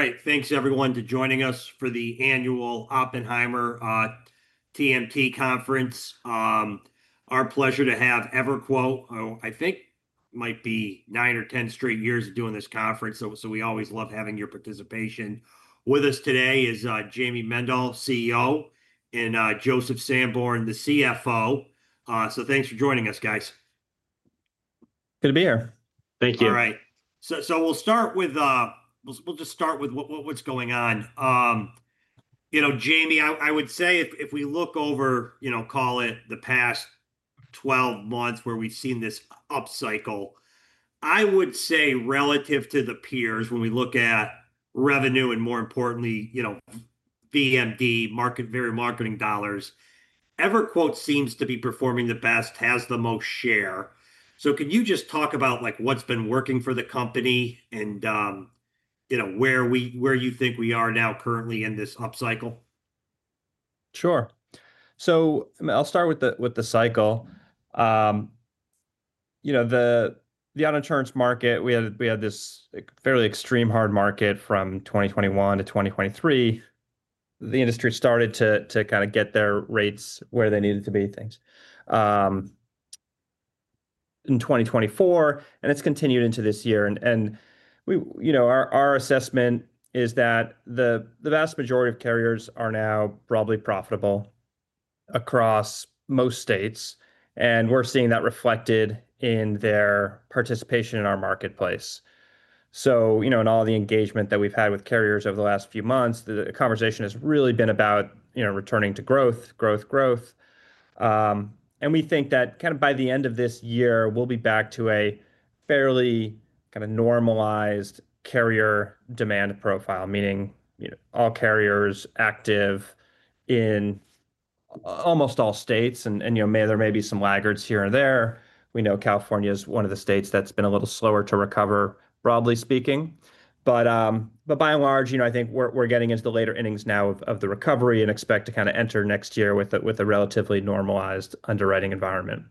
All right. Thanks, everyone, for joining us for the annual Oppenheimer TMT Conference. Our pleasure to have EverQuote. I think it might be nine or ten straight years of doing this conference. We always love having your participation. With us today is Jayme Mendal, CEO, and Joseph Sanborn, the CFO. Thanks for joining us, guys. Good to be here. Thank you. All right. We'll start with what's going on. Jayme, I would say if we look over, call it the past 12 months where we've seen this upcycle, I would say relative to the peers, when we look at revenue and more importantly, you know, VMD, market, marketing dollars, EverQuote seems to be performing the best, has the most share. Can you just talk about like what's been working for the company and where you think we are now currently in this upcycle? Sure. I'll start with the cycle. You know, the auto insurance market, we had this fairly extreme hard market from 2021-2023. The industry started to kind of get their rates where they needed to be in 2024, and it's continued into this year. Our assessment is that the vast majority of carriers are now broadly profitable across most states. We're seeing that reflected in their participation in our marketplace. In all the engagement that we've had with carriers over the last few months, the conversation has really been about returning to growth, growth, growth. We think that kind of by the end of this year, we'll be back to a fairly kind of normalized carrier demand profile, meaning all carriers active in almost all states. There may be some laggards here and there. We know California is one of the states that's been a little slower to recover, broadly speaking. By and large, I think we're getting into the later innings now of the recovery and expect to kind of enter next year with a relatively normalized underwriting environment.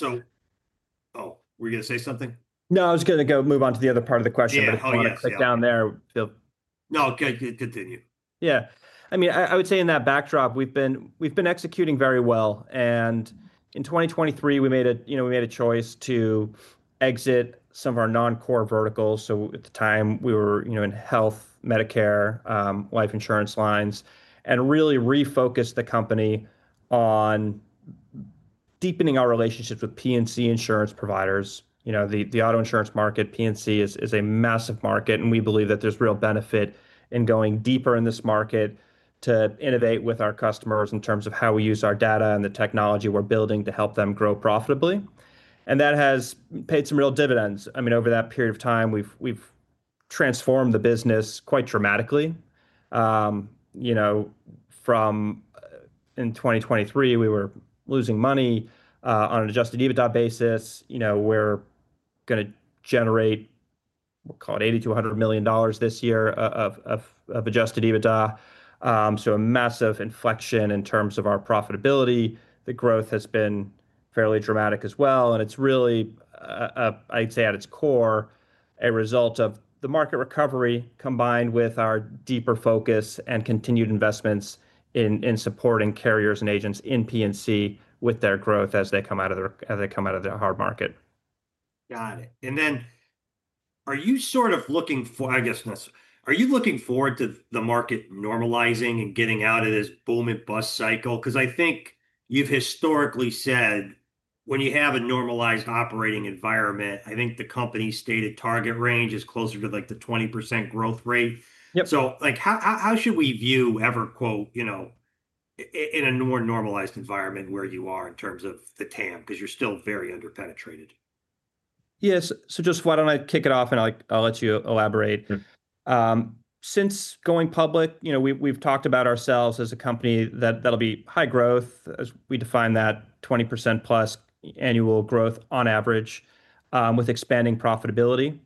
Were you going to say something? No, I was going to move on to the other part of the question, but if you want to click down there. No, continue. Yeah. I mean, I would say in that backdrop, we've been executing very well. In 2023, we made a choice to exit some of our non-core verticals. At the time, we were in health, Medicare, life insurance lines, and really refocused the company on deepening our relationships with P&C insurance providers. The auto insurance market, P&C, is a massive market, and we believe that there's real benefit in going deeper in this market to innovate with our customers in terms of how we use our data and the technology we're building to help them grow profitably. That has paid some real dividends. Over that period of time, we've transformed the business quite dramatically. In 2023, we were losing money on an adjusted EBITDA basis. We're going to generate, we'll call it $80-$100 million this year of adjusted EBITDA. A massive inflection in terms of our profitability. The growth has been fairly dramatic as well. It's really, I'd say at its core, a result of the market recovery combined with our deeper focus and continued investments in supporting carriers and agents in P&C with their growth as they come out of their hard market. Got it. Are you sort of looking for, I guess, are you looking forward to the market normalizing and getting out of this boom and bust cycle? I think you've historically said when you have a normalized operating environment, the company's stated target range is closer to the 20% growth rate. How should we view EverQuote in a more normalized environment where you are in terms of the TAM? You're still very underpenetrated. Yeah. Just why don't I kick it off and I'll let you elaborate. Since going public, you know, we've talked about ourselves as a company that'll be high growth, as we define that 20%+ annual growth on average, with expanding profitability.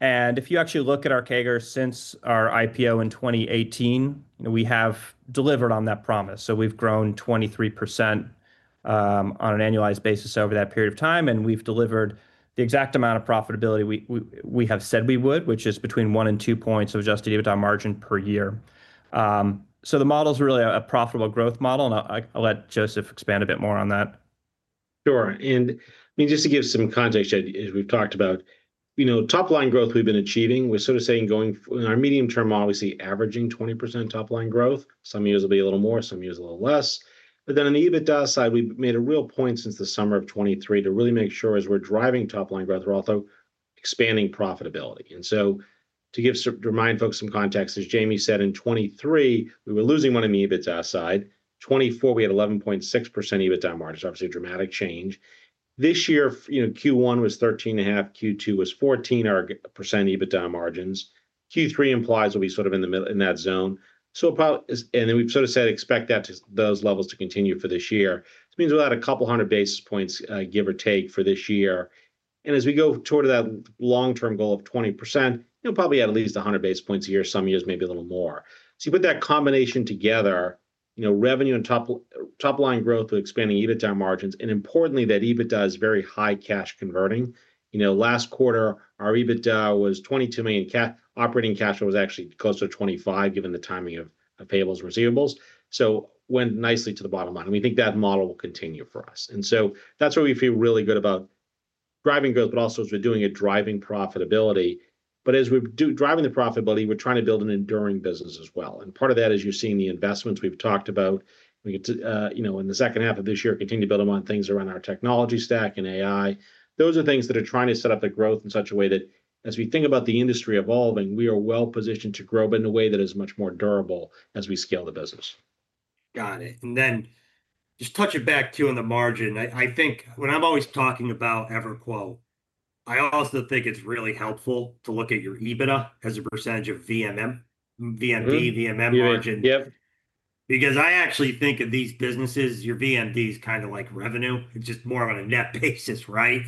If you actually look at our CAGR since our IPO in 2018, we have delivered on that promise. We've grown 23% on an annualized basis over that period of time, and we've delivered the exact amount of profitability we have said we would, which is between one and two points of adjusted EBITDA margin per year. The model is really a profitable growth model. I'll let Joseph expand a bit more on that. Sure. Just to give some context, as we've talked about, you know, top line growth we've been achieving, we're sort of saying going in our medium term, obviously averaging 20% top line growth. Some years will be a little more, some years a little less. On the EBITDA side, we've made a real point since the summer of 2023 to really make sure as we're driving top line growth, we're also expanding profitability. To remind folks some context, as Jayme said, in 2023, we were losing one on the EBITDA side. In 2024, we had 11.6% EBITDA margins, obviously a dramatic change. This year, Q1 was 13.5%, Q2 was 14% EBITDA margins. Q3 implies we'll be sort of in that zone. We've sort of said expect those levels to continue for this year. It means we'll add a couple hundred basis points, give or take, for this year. As we go toward that long-term goal of 20%, we'll probably add at least 100 basis points a year, some years maybe a little more. You put that combination together, you know, revenue and top line growth with expanding EBITDA margins, and importantly that EBITDA is very high cash converting. Last quarter our EBITDA was $22 million cash. Operating cash flow was actually close to $25 million, given the timing of payables and receivables. It went nicely to the bottom line. We think that model will continue for us. That's why we feel really good about driving growth, but also as we're doing it, driving profitability. As we're driving the profitability, we're trying to build an enduring business as well. Part of that is you're seeing the investments we've talked about. We get to, in the second half of this year, continue to build them on things around our technology stack and AI. Those are things that are trying to set up the growth in such a way that as we think about the industry evolving, we are well positioned to grow in a way that is much more durable as we scale the business. Got it. Just touching back too on the margin, I think when I'm always talking about EverQuote, I also think it's really helpful to look at your EBITDA as a percentage of VMM, VMD, VMM margin. I actually think in these businesses, your VMD is kind of like revenue. It's just more of a net basis, right?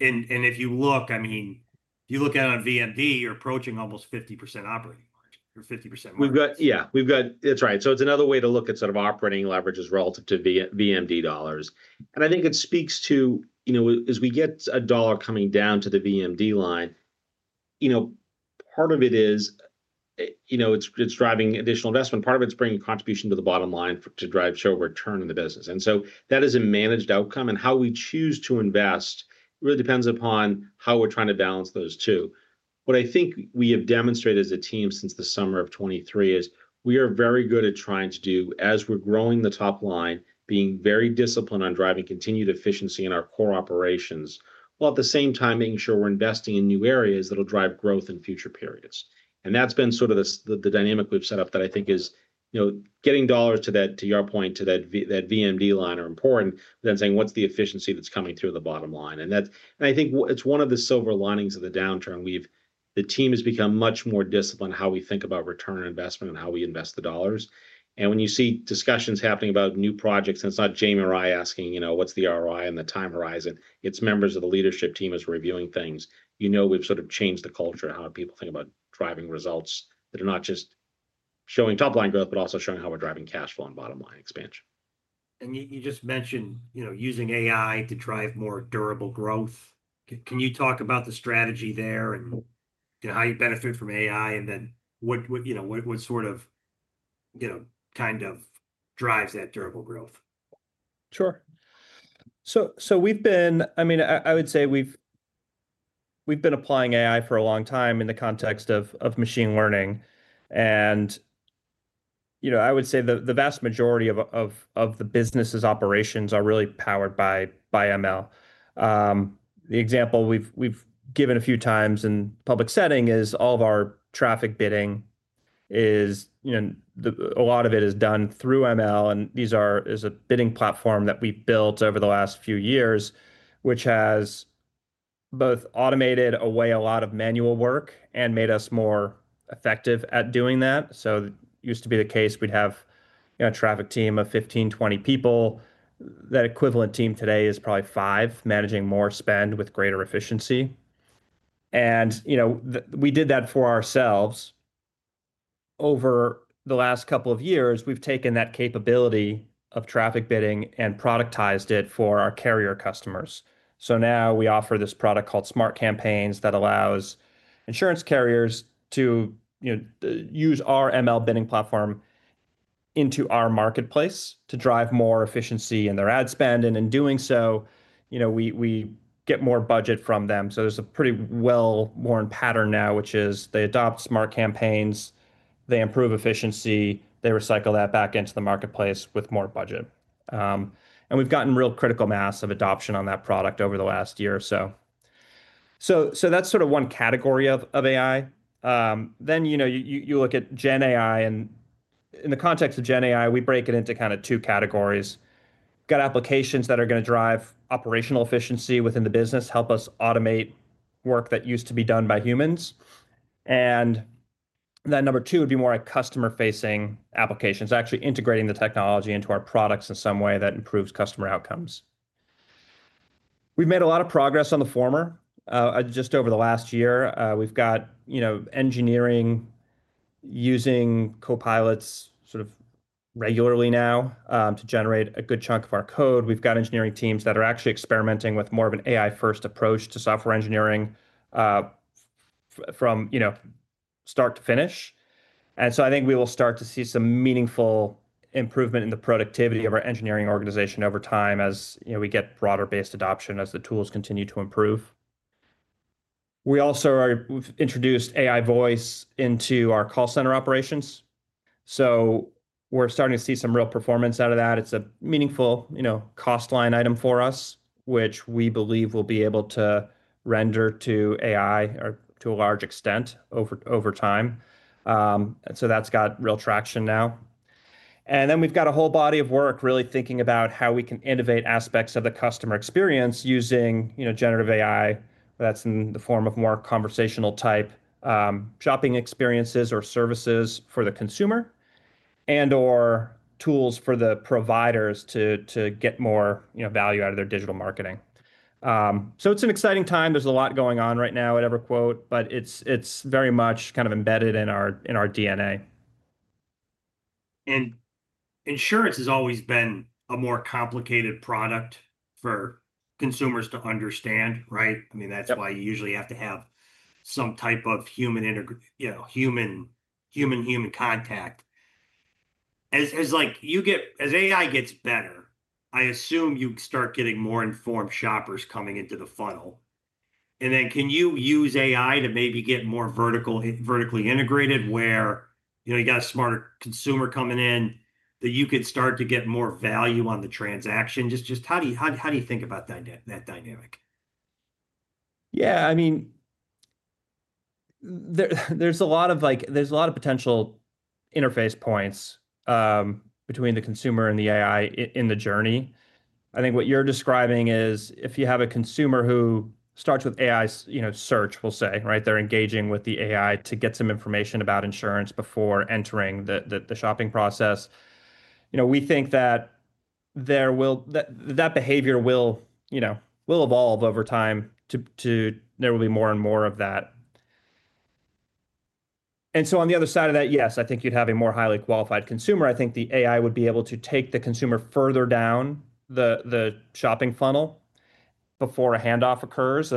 If you look at it on VMD, you're approaching almost 50% operating margin. You're 50% margin. Yeah, that's right. It's another way to look at sort of operating leverages relative to VMD dollars. I think it speaks to, you know, as we get a dollar coming down to the VMD line, part of it is, you know, it's driving additional investment. Part of it's bringing a contribution to the bottom line to drive show return in the business. That is a managed outcome. How we choose to invest really depends upon how we're trying to balance those two. What I think we have demonstrated as a team since the summer of 2023 is we are very good at trying to do, as we're growing the top line, being very disciplined on driving continued efficiency in our core operations, while at the same time making sure we're investing in new areas that'll drive growth in future periods. That's been sort of the dynamic we've set up that I think is, you know, getting dollars to that, to your point, to that VMD line are important, but then saying what's the efficiency that's coming through the bottom line. I think it's one of the silver linings of the downturn. The team has become much more disciplined on how we think about return on investment and how we invest the dollars. When you see discussions happening about new projects, and it's not Jayme or I asking, you know, what's the ROI and the time horizon, it's members of the leadership team as we're reviewing things. We've sort of changed the culture of how people think about driving results that are not just showing top line growth, but also showing how we're driving cash flow and bottom line expansion. You just mentioned, you know, using AI to drive more durable growth. Can you talk about the strategy there and how you benefit from AI, and then what, you know, what sort of, you know, kind of drives that durable growth? Sure. We've been, I mean, I would say we've been applying AI for a long time in the context of machine learning. I would say the vast majority of the business's operations are really powered by ML. The example we've given a few times in the public setting is all of our traffic bidding is, you know, a lot of it is done through ML. These are a bidding platform that we built over the last few years, which has both automated away a lot of manual work and made us more effective at doing that. It used to be the case we'd have a traffic team of 15, 20 people. That equivalent team today is probably five, managing more spend with greater efficiency. We did that for ourselves. Over the last couple of years, we've taken that capability of traffic bidding and productized it for our carrier customers. Now we offer this product called Smart Campaigns that allows insurance carriers to use our ML bidding platform into our marketplace to drive more efficiency in their ad spend. In doing so, we get more budget from them. There's a pretty well-worn pattern now, which is they adopt Smart Campaigns, they improve efficiency, they recycle that back into the marketplace with more budget. We've gotten real critical mass of adoption on that product over the last year or so. That's sort of one category of AI. Then, you look at Gen AI and in the context of Gen AI, we break it into kind of two categories. We've got applications that are going to drive operational efficiency within the business, help us automate work that used to be done by humans. Number two would be more a customer-facing application, actually integrating the technology into our products in some way that improves customer outcomes. We've made a lot of progress on the former. Just over the last year, we've got engineering using copilots sort of regularly now to generate a good chunk of our code. We've got engineering teams that are actually experimenting with more of an AI-first approach to software engineering from start to finish. I think we will start to see some meaningful improvement in the productivity of our engineering organization over time as we get broader-based adoption as the tools continue to improve. We also have introduced AI voice into our call center operations. We're starting to see some real performance out of that. It's a meaningful cost line item for us, which we believe we'll be able to render to AI to a large extent over time. That's got real traction now. We've got a whole body of work really thinking about how we can innovate aspects of the customer experience using generative AI that's in the form of more conversational type shopping experiences or services for the consumer and/or tools for the providers to get more value out of their digital marketing. It's an exciting time. There's a lot going on right now at EverQuote, but it's very much kind of embedded in our DNA. Insurance has always been a more complicated product for consumers to understand, right? I mean, that's why you usually have to have some type of human contact. As AI gets better, I assume you start getting more informed shoppers coming into the funnel. Can you use AI to maybe get more vertically integrated where you have a smarter consumer coming in that you could start to get more value on the transaction? How do you think about that dynamic? Yeah, I mean, there's a lot of potential interface points between the consumer and the AI in the journey. I think what you're describing is if you have a consumer who starts with AI, you know, search, we'll say, right, they're engaging with the AI to get some information about insurance before entering the shopping process. We think that behavior will evolve over time to there will be more and more of that. On the other side of that, yes, I think you'd have a more highly qualified consumer. I think the AI would be able to take the consumer further down the shopping funnel before a handoff occurs.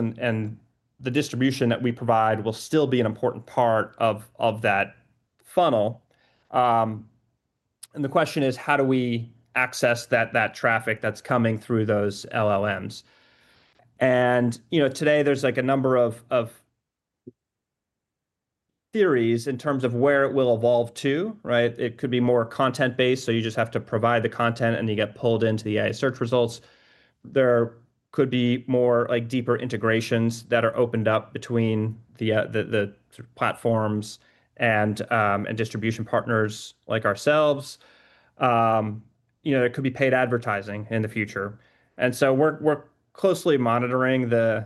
The distribution that we provide will still be an important part of that funnel. The question is, how do we access that traffic that's coming through those LLMs? Today there's a number of theories in terms of where it will evolve to, right? It could be more content-based, so you just have to provide the content and you get pulled into the AI search results. There could be more like deeper integrations that are opened up between the platforms and distribution partners like ourselves. There could be paid advertising in the future. We're closely monitoring the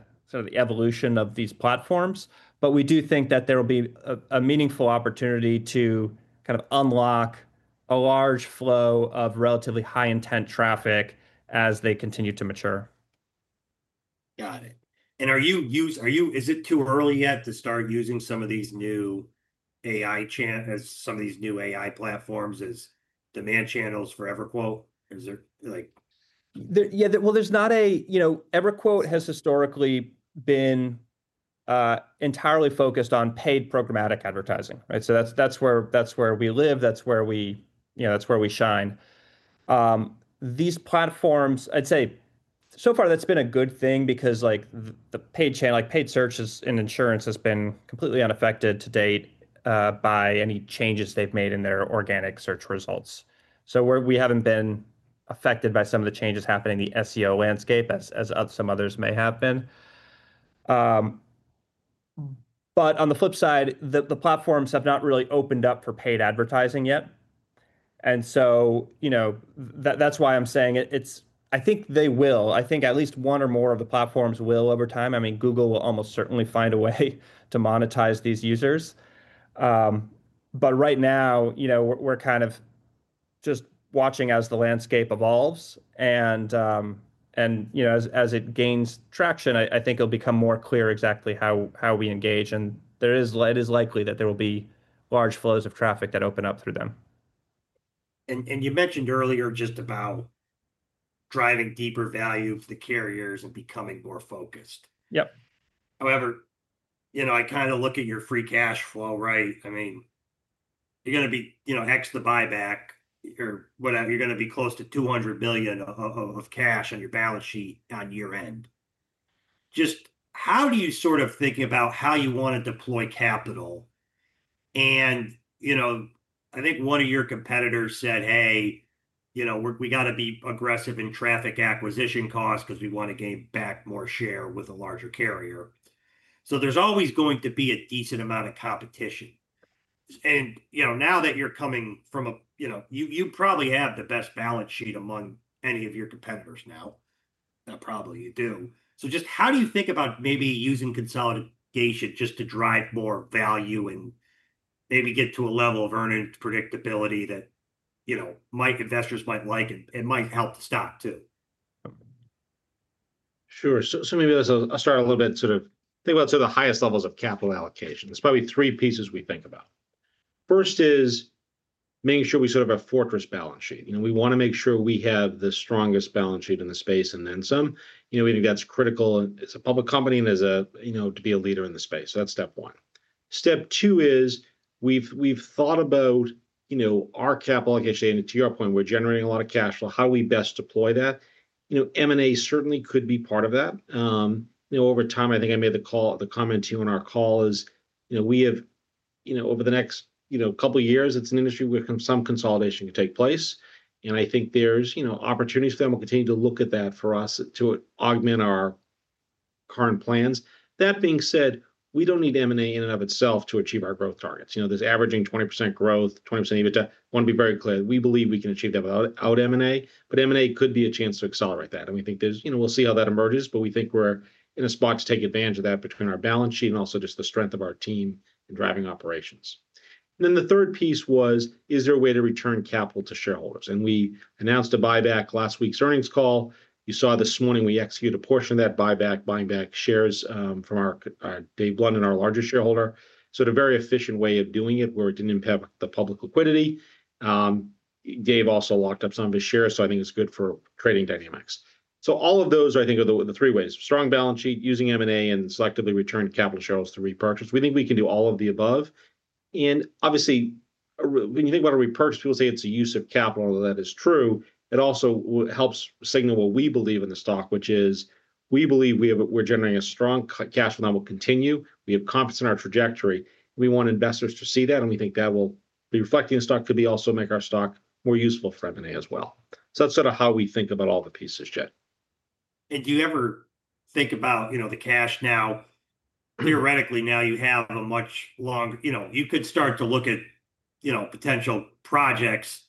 evolution of these platforms, but we do think that there will be a meaningful opportunity to unlock a large flow of relatively high-intent traffic as they continue to mature. Got it. Is it too early yet to start using some of these new AI channels, some of these new AI platforms as demand channels for EverQuote? Yeah, there's not a, you know, EverQuote has historically been entirely focused on paid programmatic advertising, right? That's where we live, that's where we shine. These platforms, I'd say so far that's been a good thing because the paid channel, like paid searches in insurance, has been completely unaffected to date by any changes they've made in their organic search results. We haven't been affected by some of the changes happening in the SEO landscape as some others may have been. On the flip side, the platforms have not really opened up for paid advertising yet. That's why I'm saying I think they will, I think at least one or more of the platforms will over time. I mean, Google will almost certainly find a way to monetize these users. Right now, we're kind of just watching as the landscape evolves. As it gains traction, I think it'll become more clear exactly how we engage. It is likely that there will be large flows of traffic that open up through them. You mentioned earlier just about driving deeper value to the carriers and becoming more focused. Yep. However, I kind of look at your free cash flow, right? I mean, you're going to be, hex the buyback or whatever, you're going to be close to $200 billion of cash on your balance sheet on year end. Just how do you sort of think about how you want to deploy capital? I think one of your competitors said, "Hey, we got to be aggressive in traffic acquisition costs because we want to gain back more share with a larger carrier." There is always going to be a decent amount of competition. Now that you're coming from a, you probably have the best balance sheet among any of your competitors now. Not probably, you do. Just how do you think about maybe using consolidation just to drive more value and maybe get to a level of earning predictability that Mike investors might like and might help the stock too? Sure. Maybe I'll start a little bit, sort of think about the highest levels of capital allocation. There's probably three pieces we think about. First is making sure we have a fortress balance sheet. We want to make sure we have the strongest balance sheet in the space and then some. We think that's critical. As a public company and to be a leader in the space, that's step one. Step two is we've thought about our capital. I guess, Jayme, to your point, we're generating a lot of cash flow. How do we best deploy that? M&A certainly could be part of that. Over time, I think I made the comment to you on our call, over the next couple of years, it's an industry where some consolidation could take place. I think there are opportunities for us to continue to look at that to augment our current plans. That being said, we don't need M&A in and of itself to achieve our growth targets. This averaging 20% growth, 20% EBITDA, I want to be very clear. We believe we can achieve that without M&A, but M&A could be a chance to accelerate that. We think we'll see how that emerges, but we think we're in a spot to take advantage of that between our balance sheet and also just the strength of our team and driving operations. The third piece was, is there a way to return capital to shareholders? We announced a buyback on last week's earnings call. You saw this morning we executed a portion of that buyback, buying back shares from Dave Blunden, our largest shareholder. It's a very efficient way of doing it where it didn't impact the public liquidity. Dave also locked up some of his shares, so I think it's good for trading dynamics. All of those, I think, are the three ways: strong balance sheet, using M&A, and selectively returning capital to shareholders through repurchase. We think we can do all of the above. Obviously, when you think about a repurchase, people say it's a use of capital. That is true. It also helps signal what we believe in the stock, which is we believe we're generating a strong cash flow that will continue. We have confidence in our trajectory. We want investors to see that, and we think that will be reflected in the stock, but also make our stock more useful for M&A as well. That's sort of how we think about all the pieces, Jed. Do you ever think about the cash now, theoretically, now you have a much longer, you could start to look at potential projects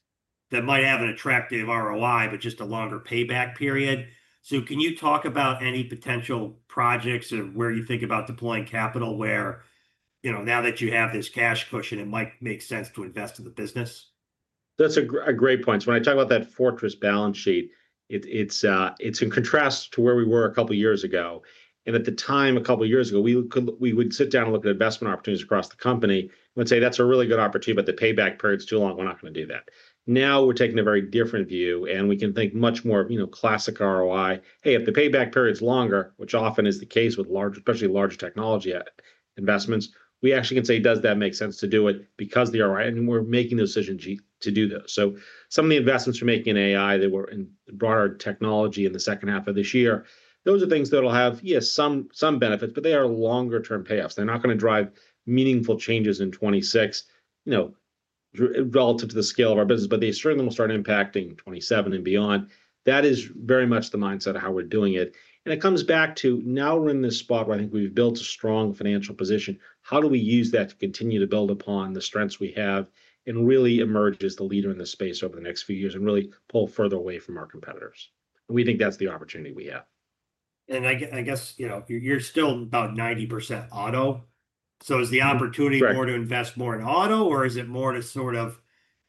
that might have an attractive ROI, but just a longer payback period. Can you talk about any potential projects or where you think about deploying capital where, now that you have this cash pushing, it might make sense to invest in the business? That's a great point. When I talk about that fortress balance sheet, it's in contrast to where we were a couple of years ago. At the time, a couple of years ago, we would sit down and look at investment opportunities across the company and say, "That's a really good opportunity, but the payback period's too long. We're not going to do that." Now we're taking a very different view, and we can think much more of, you know, classic ROI. Hey, if the payback period's longer, which often is the case with large, especially large technology investments, we actually can say, "Does that make sense to do it because of the ROI?" We're making those decisions to do those. Some of the investments we're making in AI, they were in broader technology in the second half of this year. Those are things that'll have, yes, some benefits, but they are longer-term payoffs. They're not going to drive meaningful changes in 2026, you know, relative to the scale of our business, but they certainly will start impacting 2027 and beyond. That is very much the mindset of how we're doing it. It comes back to now we're in this spot where I think we've built a strong financial position. How do we use that to continue to build upon the strengths we have and really emerge as the leader in the space over the next few years and really pull further away from our competitors? We think that's the opportunity we have. You're still about 90% auto. Is the opportunity more to invest more in auto, or is it more to sort of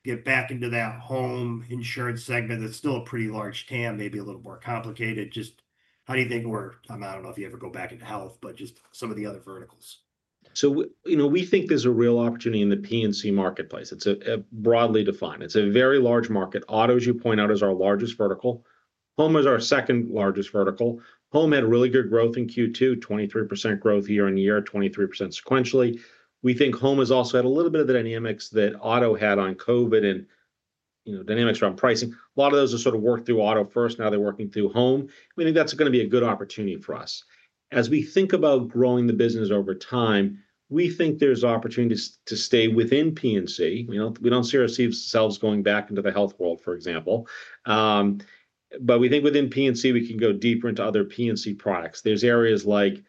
get back into that home insurance segment? It's still a pretty large TAM, maybe a little more complicated. Just how do you think we're, I mean, I don't know if you ever go back into health, but just some of the other verticals. We think there's a real opportunity in the P&C marketplace. It's broadly defined. It's a very large market. Auto, as you point out, is our largest vertical. Home is our second largest vertical. Home had really good growth in Q2, 23% growth year-on-year, 23% sequentially. We think home has also had a little bit of the dynamics that auto had on COVID and dynamics around pricing. A lot of those are sort of worked through auto first. Now they're working through home. I think that's going to be a good opportunity for us. As we think about growing the business over time, we think there's opportunities to stay within P&C. We don't see ourselves going back into the health world, for example. We think within P&C, we can go deeper into other P&C products. There's areas that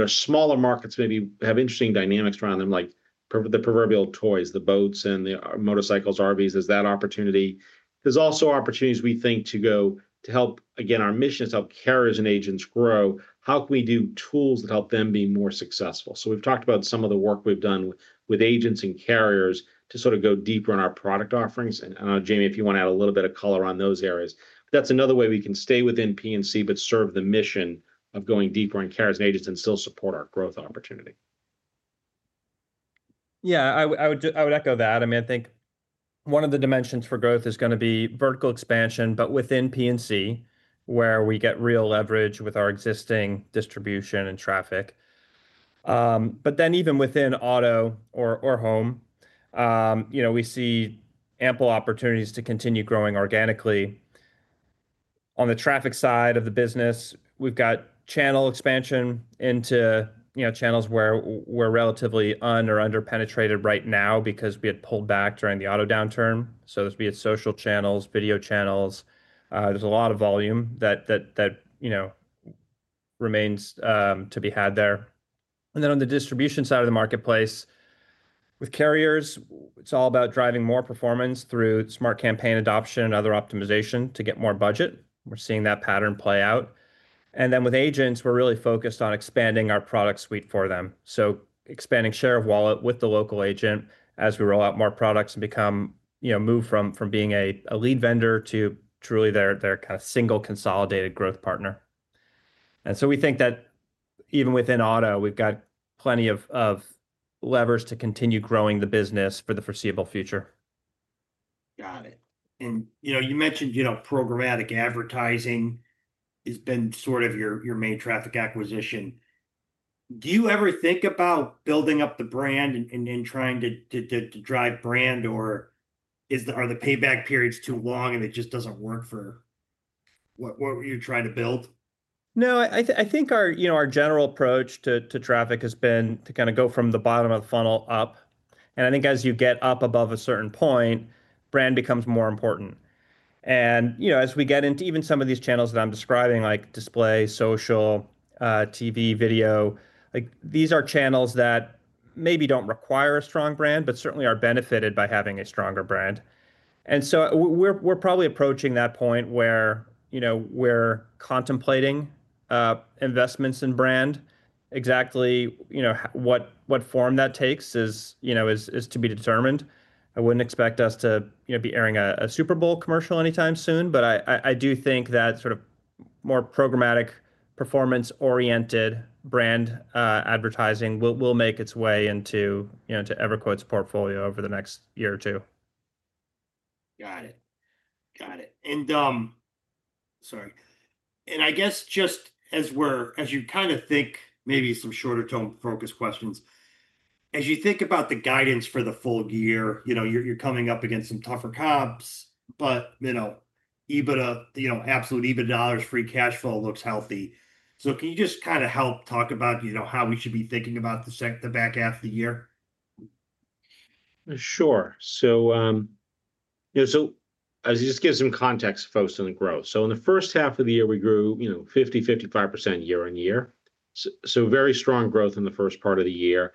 are smaller markets, maybe have interesting dynamics around them, like the proverbial toys, the boats, and the motorcycles, RVs. There's that opportunity. There's also opportunities, we think, to help. Again, our mission is to help carriers and agents grow. How can we do tools to help them be more successful? We've talked about some of the work we've done with agents and carriers to go deeper on our product offerings. I don't know, Jayme, if you want to add a little bit of color on those areas. That's another way we can stay within P&C, but serve the mission of going deeper on carriers and agents and still support our growth opportunity. Yeah, I would echo that. I mean, I think one of the dimensions for growth is going to be vertical expansion, but within P&C, where we get real leverage with our existing distribution and traffic. Even within auto or home, you know, we see ample opportunities to continue growing organically. On the traffic side of the business, we've got channel expansion into channels where we're relatively un or underpenetrated right now because we had pulled back during the auto downturn. There's, be it social channels, video channels, a lot of volume that remains to be had there. On the distribution side of the marketplace, with carriers, it's all about driving more performance through Smart Campaigns adoption and other optimization to get more budget. We're seeing that pattern play out. With agents, we're really focused on expanding our product suite for them, expanding share of wallet with the local agent as we roll out more products and move from being a lead vendor to truly their kind of single consolidated growth partner. We think that even within auto, we've got plenty of levers to continue growing the business for the foreseeable future. You mentioned programmatic advertising has been sort of your main traffic acquisition. Do you ever think about building up the brand and then trying to drive brand, or are the payback periods too long and it just doesn't work for what you're trying to build? No, I think our general approach to traffic has been to kind of go from the bottom of the funnel up. I think as you get up above a certain point, brand becomes more important. As we get into even some of these channels that I'm describing, like display, social, TV, video, these are channels that maybe don't require a strong brand, but certainly are benefited by having a stronger brand. We're probably approaching that point where we're contemplating investments in brand. Exactly what form that takes is to be determined. I wouldn't expect us to be airing a Super Bowl commercial anytime soon, but I do think that sort of more programmatic, performance-oriented brand advertising will make its way into EverQuote's portfolio over the next year or two. Got it. As you kind of think, maybe some shorter-term focus questions, as you think about the guidance for the full year, you're coming up against some tougher comps, but EBITDA, absolute EBITDA dollars, free cash flow looks healthy. Can you just kind of help talk about how we should be thinking about the back half of the year? Sure. As you just give some context to folks in the growth, in the first half of the year, we grew 50%-55% year on year. Very strong growth in the first part of the year.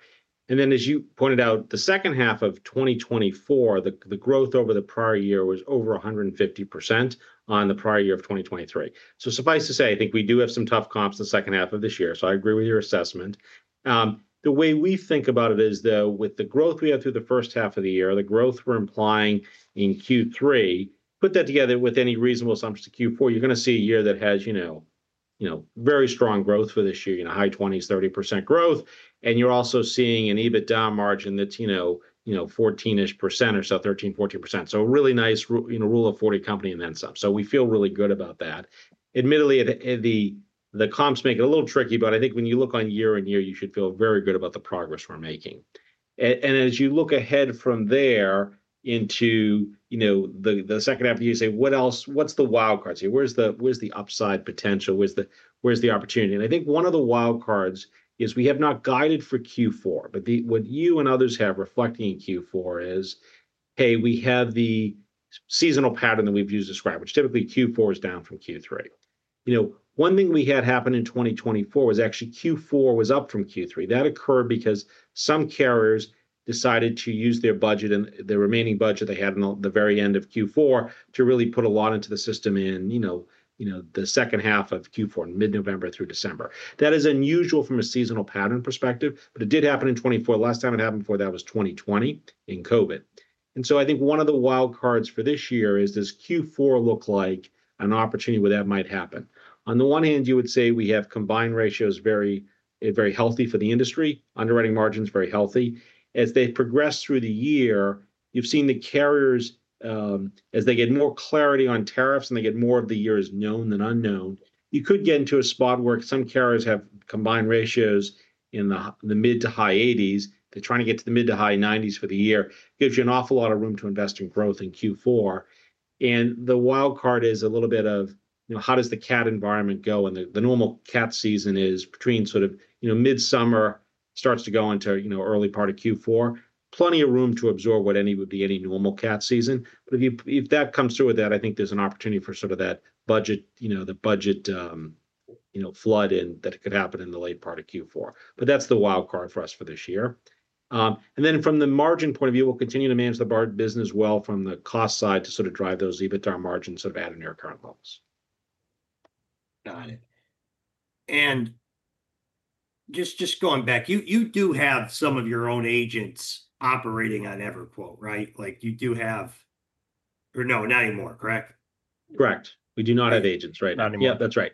As you pointed out, the second half of 2024, the growth over the prior year was over 150% on the prior year of 2023. Suffice to say, I think we do have some tough comps in the second half of this year. I agree with your assessment. The way we think about it is, though, with the growth we have through the first half of the year, the growth we're implying in Q3, put that together with any reasonable assumptions to Q4, you're going to see a year that has very strong growth for this year, high 20s, 30% growth. You're also seeing an EBITDA margin that's 14-ish % or so, 13%-14%. A really nice rule of 40 company and then some. We feel really good about that. Admittedly, the comps make it a little tricky, but I think when you look on year and year, you should feel very good about the progress we're making. As you look ahead from there into the second half of the year, you say, what else, what's the wildcards here? Where's the upside potential? Where's the opportunity? I think one of the wildcards is we have not guided for Q4, but what you and others have reflected in Q4 is, hey, we have the seasonal pattern that we've used to describe, which typically Q4 is down from Q3. One thing we had happen in 2024 was actually Q4 was up from Q3. That occurred because some carriers decided to use their budget and the remaining budget they had in the very end of Q4 to really put a lot into the system in the second half of Q4, mid-November through December. That is unusual from a seasonal pattern perspective, but it did happen in 2024. Last time it happened for that was 2020 in COVID. I think one of the wildcards for this year is does Q4 look like an opportunity where that might happen? On the one hand, you would say we have combined ratios very, very healthy for the industry, underwriting margins very healthy. As they progress through the year, you've seen the carriers, as they get more clarity on tariffs and they get more of the year's known than unknown, you could get into a spot where some carriers have combined ratios in the mid to high 80s. They're trying to get to the mid to high 90s for the year. It gives you an awful lot of room to invest in growth in Q4. The wildcard is a little bit of, you know, how does the cat environment go? The normal cat season is between sort of, you know, midsummer, starts to go into, you know, early part of Q4. Plenty of room to absorb what would be any normal cat season. If that comes through with that, I think there's an opportunity for sort of that budget, you know, the budget, you know, flood and that it could happen in the late part of Q4. That's the wildcard for us for this year. From the margin point of view, we'll continue to manage the business well from the cost side to sort of drive those EBITDA margins that have added near current levels. Got it. Just going back, you do have some of your own agents operating on EverQuote, right? You do have, or no, not anymore, correct? Correct. We do not have AI agents, right? Yeah, that's right.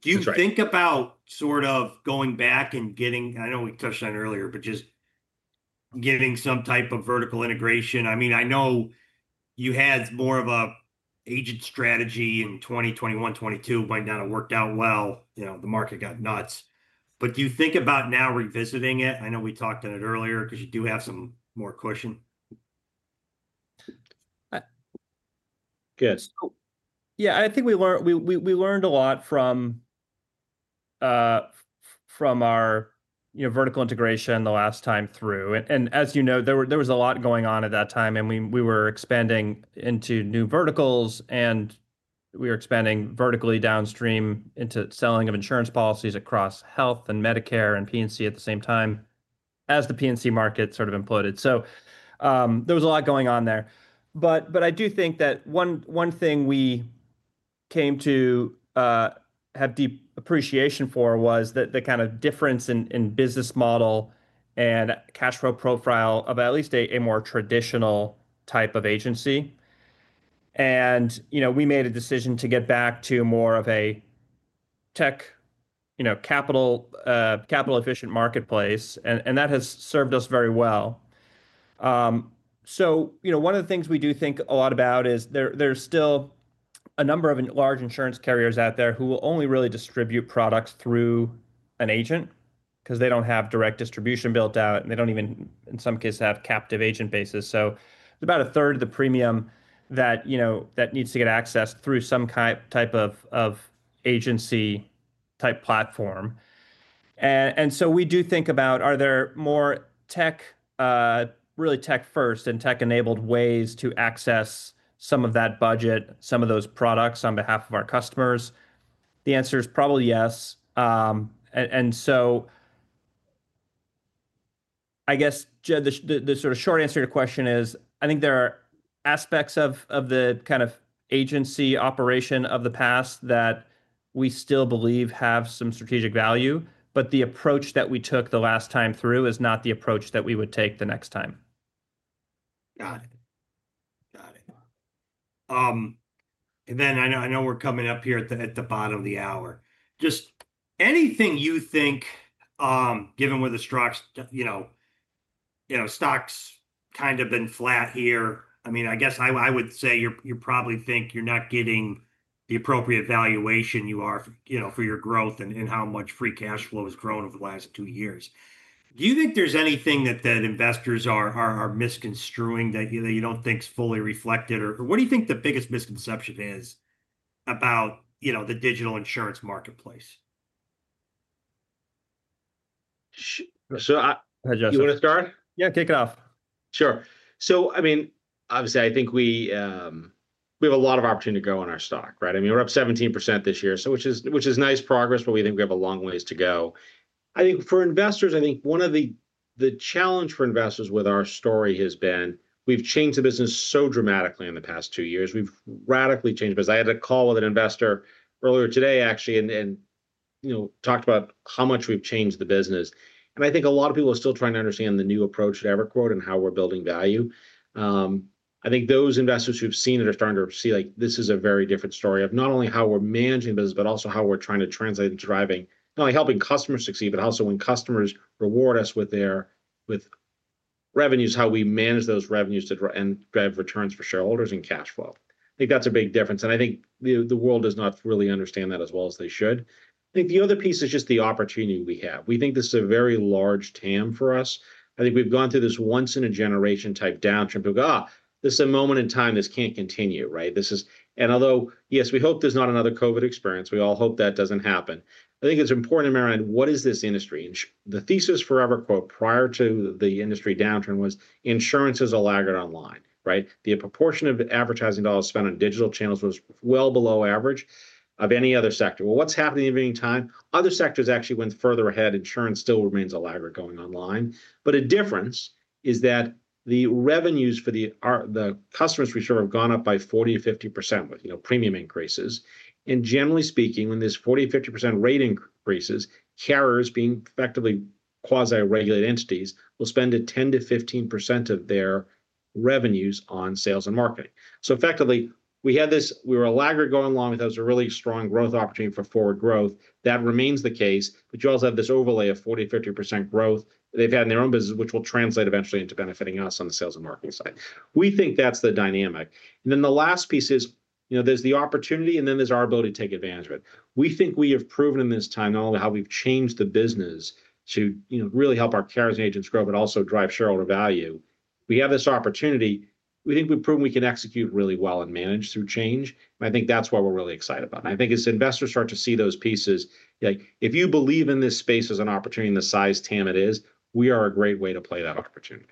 Do you think about going back and getting, I know we touched on it earlier, but just getting some type of vertical integration? I know you had more of an agent strategy in 2021-2022, went down, it worked out well, the market got nuts. Do you think about now revisiting it? I know we talked on it earlier because you do have some more cushion. I think we learned a lot from our vertical integration the last time through. As you know, there was a lot going on at that time, and we were expanding into new verticals, and we were expanding vertically downstream into selling of insurance policies across health and Medicare and P&C at the same time as the P&C market sort of imploded. There was a lot going on there. I do think that one thing we came to have deep appreciation for was the kind of difference in business model and cash flow profile of at least a more traditional type of agency. We made a decision to get back to more of a tech, capital-efficient marketplace, and that has served us very well. One of the things we do think a lot about is there's still a number of large insurance carriers out there who will only really distribute products through an agent because they don't have direct distribution built out, and they don't even, in some cases, have captive agent bases. About a third of the premium that needs to get accessed through some type of agency type platform. We do think about, are there more tech, really tech-first and tech-enabled ways to access some of that budget, some of those products on behalf of our customers? The answer is probably yes. I guess the sort of short answer to your question is I think there are aspects of the kind of agency operation of the past that we still believe have some strategic value, but the approach that we took the last time through is not the approach that we would take the next time. Got it. I know we're coming up here at the bottom of the hour. Is there anything you think, given where the stock's kind of been flat here, I mean, I guess I would say you probably think you're not getting the appropriate valuation you are, you know, for your growth and how much free cash flow has grown over the last two years. Do you think there's anything that investors are misconstruing that you don't think is fully reflected? What do you think the biggest misconception is about, you know, the digital insurance marketplace? Sure. You want to start? Yeah, kick it off. Sure. I mean, obviously, I think we have a lot of opportunity to go in our stock, right? I mean, we're up 17% this year, which is nice progress, but we think we have a long ways to go. I think for investors, one of the challenges for investors with our story has been we've changed the business so dramatically in the past two years. We've radically changed the business. I had a call with an investor earlier today, actually, and talked about how much we've changed the business. I think a lot of people are still trying to understand the new approach to EverQuote and how we're building value. I think those investors who've seen it are starting to see like this is a very different story of not only how we're managing the business, but also how we're trying to translate and driving, not only helping customers succeed, but also when customers reward us with their revenues, how we manage those revenues to drive returns for shareholders and cash flow. I think that's a big difference. I think the world does not really understand that as well as they should. The other piece is just the opportunity we have. We think this is a very large TAM for us. I think we've gone through this once-in-a-generation type downturn. This is a moment in time. This can't continue, right? Although, yes, we hope there's not another COVID experience. We all hope that doesn't happen. I think it's important to remember what is this industry. The thesis for EverQuote prior to the industry downturn was insurance is a laggard online, right? The proportion of advertising dollars spent on digital channels was well below average of any other sector. What's happening in the meantime? Other sectors actually went further ahead. Insurance still remains a laggard going online. A difference is that the revenues for the customers we serve have gone up by 40%-50% with premium increases. Generally speaking, when this 40%-50% rate increases, carriers being effectively quasi-regulated entities will spend 10%-15% of their revenues on sales and marketing. Effectively, we had this, we were a laggard going along with us, a really strong growth opportunity for forward growth. That remains the case, but you also have this overlay of 40%-50% growth that they've had in their own business, which will translate eventually into benefiting us on the sales and marketing side. We think that's the dynamic. The last piece is, you know, there's the opportunity and then there's our ability to take advantage of it. We think we have proven in this time, not only how we've changed the business to, you know, really help our carriers and agents grow, but also drive shareholder value. We have this opportunity. We think we've proven we can execute really well and manage through change. I think that's why we're really excited about it. I think as investors start to see those pieces, like if you believe in this space as an opportunity and the size TAM it is, we are a great way to play that opportunity.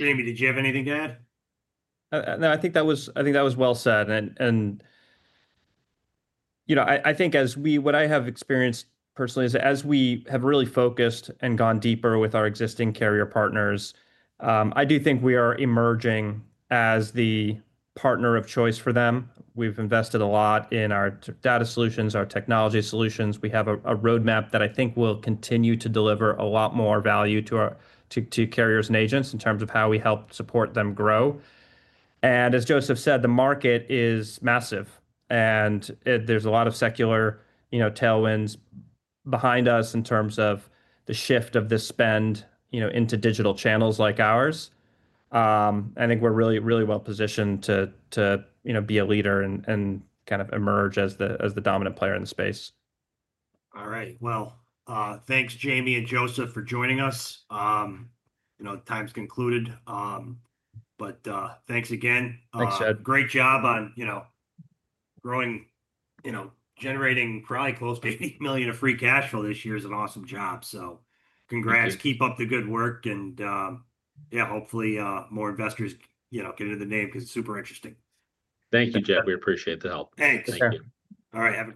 Jayme, did you have anything to add? I think that was well said. What I have experienced personally is as we have really focused and gone deeper with our existing carrier partners, I do think we are emerging as the partner of choice for them. We've invested a lot in our data solutions, our technology solutions. We have a roadmap that I think will continue to deliver a lot more value to carriers and agents in terms of how we help support them grow. As Joseph said, the market is massive. There are a lot of secular tailwinds behind us in terms of the shift of this spend into digital channels like ours. I think we're really, really well positioned to be a leader and kind of emerge as the dominant player in the space. All right. Thanks, Jayme and Joseph, for joining us. Time's concluded, but thanks again. Thanks, Jed. Great job on growing, generating probably close to $80 million of free cash flow this year is an awesome job. Congrats. Keep up the good work. Hopefully more investors get into the name because it's super interesting. Thank you, Jed. We appreciate the help. Thanks. Thank you. All right.